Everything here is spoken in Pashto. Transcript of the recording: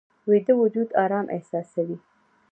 ویده وجود آرام احساسوي